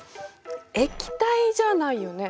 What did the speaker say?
液体じゃないよね。